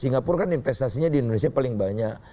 singapura kan investasinya di indonesia paling banyak